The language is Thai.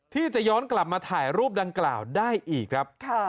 ที่จะย้อนกลับมาถ่ายรูปดังกล่าวได้อีกครับ